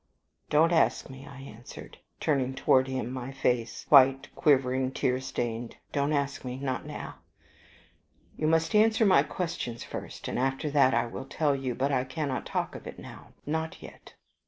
"Don't ask me," I answered, turning towards him my face, white, quivering, tear stained. "Don't ask me. Not now. You must answer my questions first, and after that I will tell you. But I cannot talk of it now. Not yet."